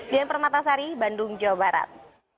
dian permatasari bandung jawa barat